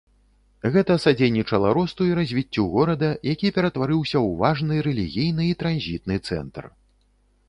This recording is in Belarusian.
Гэта садзейнічала росту і развіццю горада, які ператварыўся ў важны рэлігійны і транзітны цэнтр.